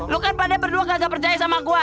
lo kan padahal berdua gak percaya sama gua